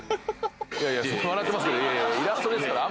笑ってますけど。